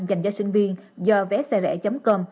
dành cho sinh viên do vé xe rẻ com